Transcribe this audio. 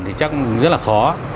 thì chắc rất là khó